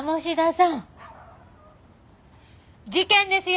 事件ですよ！